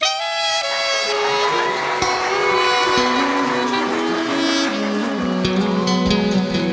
สวัสดีครับ